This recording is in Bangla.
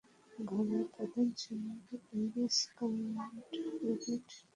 ঘরোয়া প্রথম-শ্রেণীর ইংরেজ কাউন্টি ক্রিকেটে ডার্বিশায়ার, নটিংহ্যামশায়ার ও ইয়র্কশায়ার দলের প্রতিনিধিত্ব করেন।